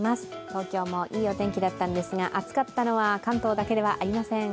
東京もいいお天気だったんですが、暑かったのは関東だけではありません。